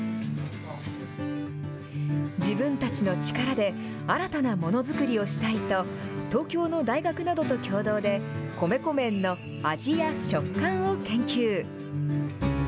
自分たちの力で、新たなものづくりをしたいと、東京の大学などと共同で、米粉麺の味や食感を研究。